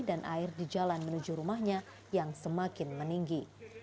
dan air di jalan menuju rumahnya yang semakin meninggi